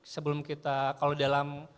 sebelum kita kalau dalam